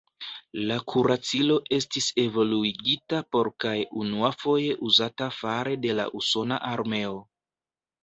La kuracilo estis evoluigita por kaj unuafoje uzata fare de la usona armeo.